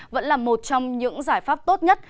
vẫn là một trong những giải pháp tốt nhất